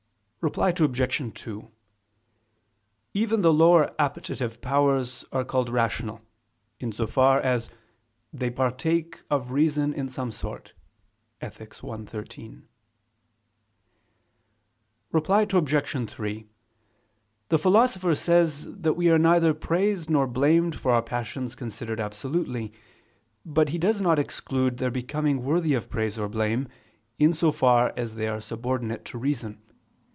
Reply Obj. 2: Even the lower appetitive powers are called rational, in so far as "they partake of reason in some sort" (Ethic. i, 13). Reply Obj. 3: The Philosopher says that we are neither praised nor blamed for our passions considered absolutely; but he does not exclude their becoming worthy of praise or blame, in so far as they are subordinate to reason.